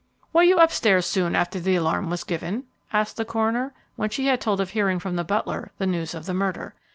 "Were you up stairs soon after the alarm was given?" asked the coroner, when she had told of hearing from the butler the news of the murder.